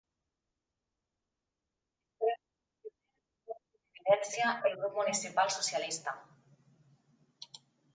Esperem que reaccionen i no quede en evidència el grup municipal socialista.